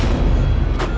kau tidak bisa menang